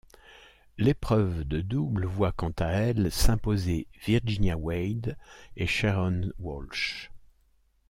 L'épreuve de double voit quant à elle s'imposer Virginia Wade et Sharon Walsh.